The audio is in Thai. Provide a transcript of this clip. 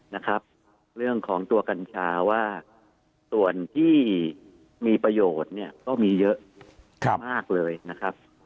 นะครับเรื่องของตัวกัญชาว่าส่วนที่มีประโยชน์เนี่ยก็มีเยอะมากเลยนะครับ